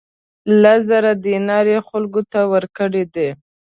لس زره دینار یې خلکو ته ورکړي دي.